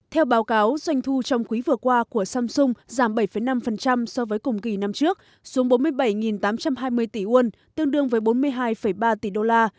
theo báo cáo doanh thu trong quý vừa qua của samsung giảm bảy năm so với cùng kỳ năm trước xuống bốn mươi bảy tám trăm hai mươi tỷ won tương đương với bốn mươi hai ba tỷ đô la